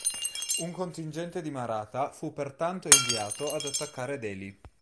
Un contingente di Maratha fu pertanto inviato ad attaccare Delhi.